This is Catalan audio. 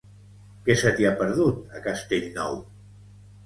Què se t'hi ha perdut, a Castellnou?